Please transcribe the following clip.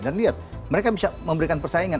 dan lihat mereka bisa memberikan persaingan